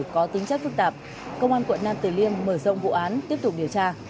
có tính chất phức tạp công an quận nam tử liêm mở rộng vụ án tiếp tục điều tra